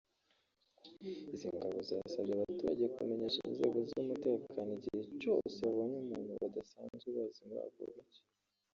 Izi ngabo zasabye abaturage kumenyesha inzego z’umutekano igihe cyose babonye umuntu badasanzwe bazi muri ako gace